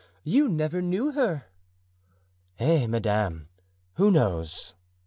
You never knew her." "Eh, madame, who knows?"